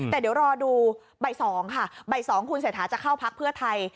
แต่เดี๋ยวรอดูใบ๒ค่ะใบ๒คุณเสถาจะเข้าพักเพื่อไทย